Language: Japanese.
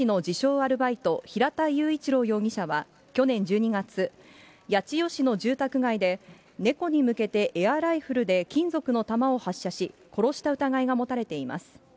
アルバイト、平田雄一郎容疑者は去年１２月、八千代市の住宅街で猫に向けてエアライフルで金属の弾を発射し、殺した疑いが持たれています。